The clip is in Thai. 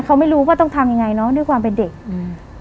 เขาไม่รู้ว่าต้องทำยังไงเนอะด้วยความเป็นเด็กอืม